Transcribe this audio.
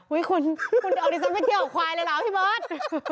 อุ๊ยคุณออธิษฐ์ไม่เที่ยวของควายเลยเหรอพี่เบิร์ด